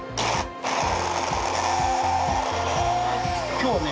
今日はね。